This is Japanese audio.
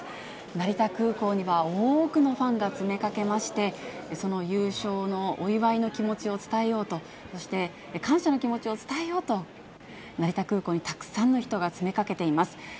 成田空港には多くのファンが詰めかけまして、その優勝のお祝いの気持ちを伝えようと、そして感謝の気持ちを伝えようと、成田空港にたくさんの人が詰めかけています。